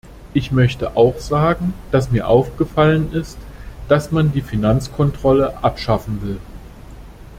Ich möchte auch sagen, dass mir aufgefallen ist, dass man die Finanzkontrolle abschaffen will.